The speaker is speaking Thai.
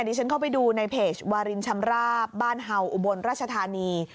ฉันเข้าไปดูในเพจวารินชำราบบ้านเห่าอุบลราชธานี